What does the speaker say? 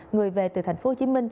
người về từ tp hcm